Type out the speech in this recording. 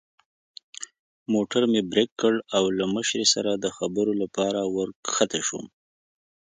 موټر مې برېک کړ او له مشرې سره د خبرو لپاره ور کښته شوم.